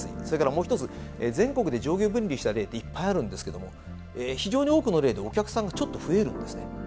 それからもう一つ全国で上下分離した例っていっぱいあるんですけども非常に多くの例でお客さんがちょっと増えるんですね。